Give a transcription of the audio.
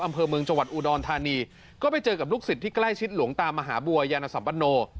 อำเภอเมืองจังหวัดอุดรธานีก็ไปเจอกับลูกศิษย์ที่ใกล้ชิดหลวงตามหาบัวยานสัมปโน